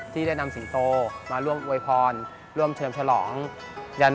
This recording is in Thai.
ที่ได้นำสิงโตมาร่วมอวยพรร่วมเฉิมฉลองยัน